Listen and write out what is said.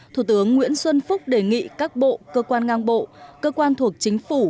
thủ tướng nguyễn xuân phúc đề nghị các bộ cơ quan ngang bộ cơ quan thuộc chính phủ